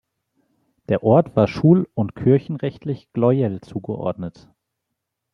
Der Ort war schul- und kirchenrechtlich Gleuel zugeordnet.